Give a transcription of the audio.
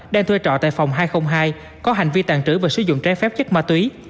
đang thuê trọ tại phòng hai trăm linh hai có hành vi tàn trữ và sử dụng trái phép chất ma túy